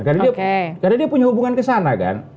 karena dia punya hubungan ke sana kan